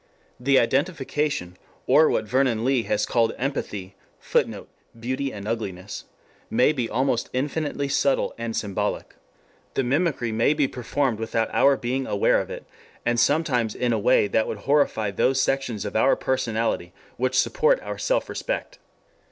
The identification, or what Vernon Lee has called empathy, [Footnote: Beauty and Ugliness.] may be almost infinitely subtle and symbolic. The mimicry may be performed without our being aware of it, and sometimes in a way that would horrify those sections of our personality which support our self respect.